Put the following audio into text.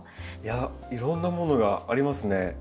いやいろんなものがありますね。